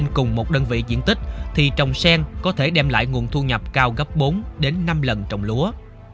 cùng một đơn vị diện tích thì trồng sen có thể đem lại nguồn thu nhập cao gấp bốn năm lần trồng lúa